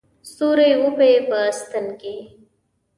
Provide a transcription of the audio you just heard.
ستوري وپېي په ستن کې